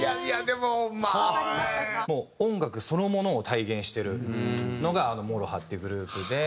もう音楽そのものを体現してるのがあのＭＯＲＯＨＡっていうグループで。